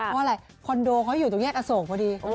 เพราะอะไรคอนโดเขาอยู่ตรงแยกอโศกพอดี